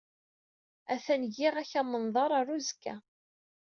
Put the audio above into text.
Atan giɣ-ak amenḍar ɣer uzekka.